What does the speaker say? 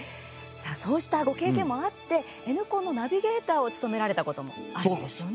さあ、そうしたご経験もあって「Ｎコン」のナビゲーターを務められたこともあるんですよね。